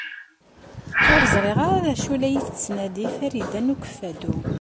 Ur ẓriɣ d acu ay la tettnadi Farida n Ukeffadu.